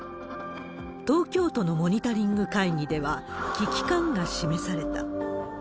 東京都のモニタリング会議では、危機感が示された。